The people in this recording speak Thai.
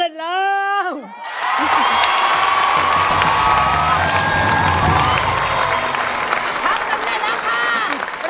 พบกันได้แล้วค่ะ